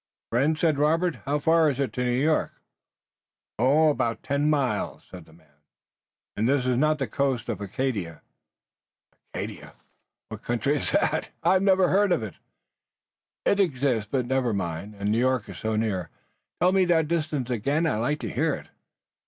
"Friend," said Robert, "how far is it to New York?" "About ten miles." "And this is not the coast of Acadia." "Acadia! What country is that? I never heard of it." "It exists, but never mind. And New York is so near? Tell me that distance again. I like to hear it."